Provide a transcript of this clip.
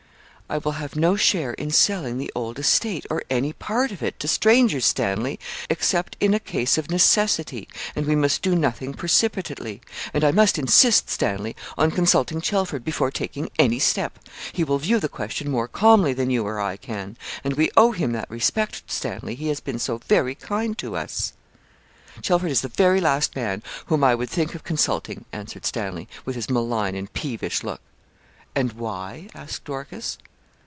'I will have no share in selling the old estate, or any part of it, to strangers, Stanley, except in a case of necessity; and we must do nothing precipitately; and I must insist, Stanley, on consulting Chelford before taking any step. He will view the question more calmly than you or I can; and we owe him that respect, Stanley, he has been so very kind to us.' 'Chelford is the very last man whom I would think of consulting,' answered Stanley, with his malign and peevish look. 'And why?' asked Dorcas.